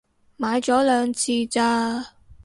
買咗兩次咋